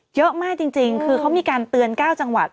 เยอะมากจริงคือเขามีการเตือน๙จังหวัด